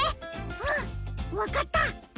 うんわかった！